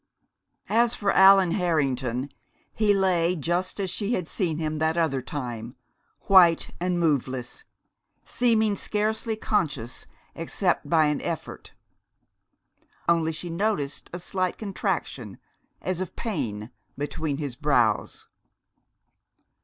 As for Allan Harrington, he lay just as she had seen him that other time, white and moveless, seeming scarcely conscious except by an effort. Only she noticed a slight contraction, as of pain, between his brows.